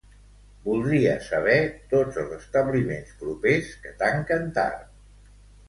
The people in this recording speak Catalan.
Voldria saber tots els establiments propers que tanquen tard.